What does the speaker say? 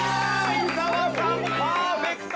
◆伊沢さん、パーフェクト！